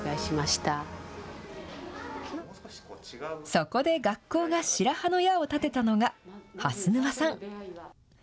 そこで学校が白羽の矢を立てたのが蓮沼さん。